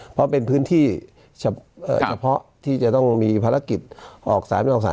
เพราะเป็นพื้นที่เฉพาะที่จะต้องมีภารกิจออกสารไม่ออกสาย